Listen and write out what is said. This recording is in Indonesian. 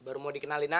baru mau dikenalin aja